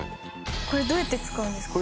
これ、どうやって使うんですか？